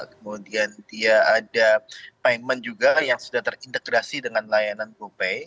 kemudian dia ada payment juga yang sudah terintegrasi dengan layanan co pay